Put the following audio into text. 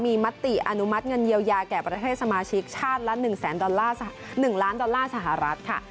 มีมติอนุมัติเงินเยียวยาแก่ประเทศสมาชิกชาติละ๑ล้านดอลลาร์สหรัฐค่ะ